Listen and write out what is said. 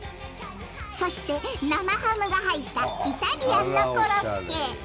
そして、生ハムが入ったイタリアンなコロッケ。